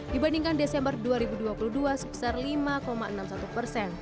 dibandingkan desember dua ribu dua puluh dua sebesar lima enam puluh satu persen